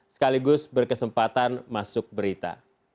sekaligus berkesempatan masuk berita